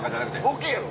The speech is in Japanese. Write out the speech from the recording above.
ボケやろ。